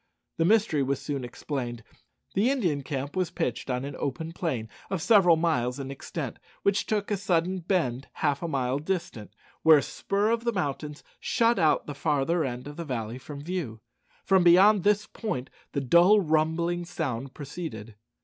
The mystery was soon explained. The Indian camp was pitched on an open plain of several miles in extent, which took a sudden bend half a mile distant, where a spur of the mountains shut out the farther end of the valley from view. From beyond this point the dull rumbling sound proceeded.